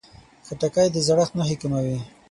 خټکی د زړښت نښې کموي.